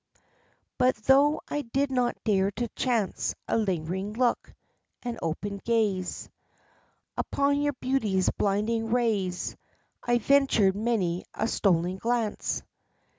But though I did not dare to chance a lingering look, an open gaze Upon your beauty's blinding rays, I ventured many a stolen glance.